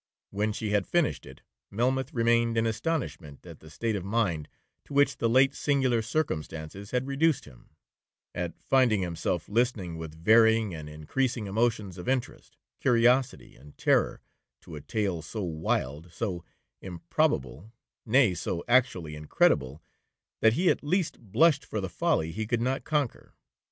When she had finished it, Melmoth remained in astonishment at the state of mind to which the late singular circumstances had reduced him,—at finding himself listening with varying and increasing emotions of interest, curiosity, and terror, to a tale so wild, so improbable, nay, so actually incredible, that he at least blushed for the folly he could not conquer.